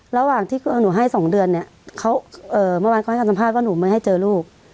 ระหว่างที่คือหนูให้๒เดือนเนี่ยเขาเมื่อวานเขาให้คำสัมภาษณ์ว่าหนูไม่ให้เจอลูก